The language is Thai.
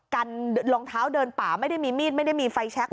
กันรองเท้าเดินป่าไม่ได้มีมีดไม่ได้มีไฟแชค